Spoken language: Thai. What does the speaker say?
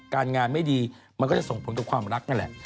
การงานไม่ดีมันก็จะส่งผลต่อความรักนั่นแหละ